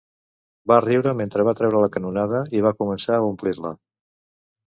Va riure mentre va treure la canonada i va començar a omplir-la.